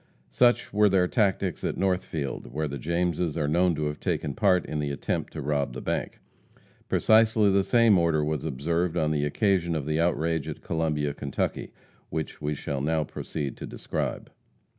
Such were their tactics at Northfield, where the Jameses are known to have taken part in the attempt to rob the bank. Precisely the same order was observed on the occasion of the outrage at Columbia, Kentucky, which we shall now proceed to describe.